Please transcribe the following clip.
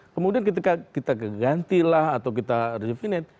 kemudian ketika kita ganti lah atau kita re definit